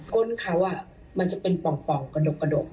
ก้นเขาอะมันจะเป็นพลองกระดก